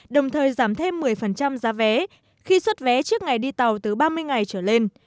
đồng thời giảm thêm một mươi giá vé khi xuất vé trước ngày đi tàu từ ba mươi ngày trở lên